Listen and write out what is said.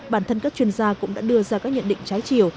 bản thân các chuyên gia cũng đã đưa ra các nhận định trái chiều